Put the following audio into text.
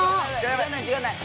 時間ない時間ない！